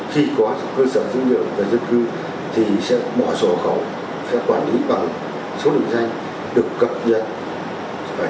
khi có cơ sở dữ liệu về dân cư thì sẽ bỏ sổ hộ khẩu sẽ quản lý bằng số định danh được cập nhật